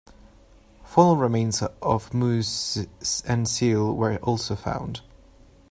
Faunal remains of moose and seal were also found.